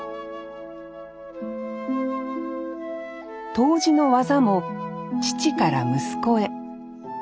杜氏の技も父から息子へ。